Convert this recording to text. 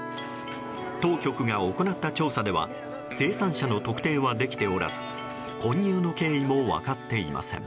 当局が行った調査では生産者の特定はできておらず混入の経緯も分かっていません。